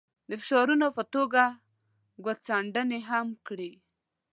د فشارونو په توګه ګوتڅنډنې هم کړي.